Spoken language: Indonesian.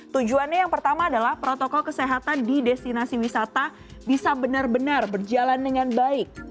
tujuannya yang pertama adalah protokol kesehatan di destinasi wisata bisa benar benar berjalan dengan baik